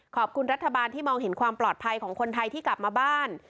ขอบคุณรัฐบาลที่มองเห็นความปลอดภัยของคนไทยที่กลับมาบ้าน